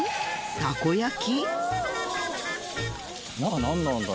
たこ焼き？